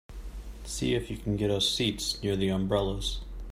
See if you can get us seats near the umbrellas.